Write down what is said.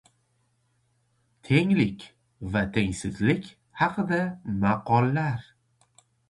Tenglik va tengsizlik haqida maqollar.